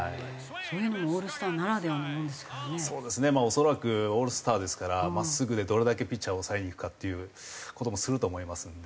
恐らくオールスターですから真っすぐでどれだけピッチャーを抑えにいくかっていう事もすると思いますので。